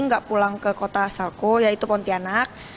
gak pulang ke kota asalku yaitu pontianak